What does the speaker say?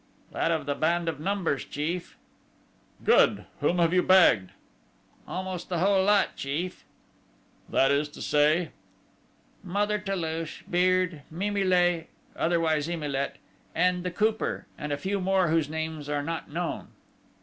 "That of the band of Numbers, chief." "Good! Whom have you bagged?" "Almost the whole lot, chief!" "That is to say?" "Mother Toulouche, Beard, Mimile, otherwise Emilet, and the Cooper and a few more whose names are not known."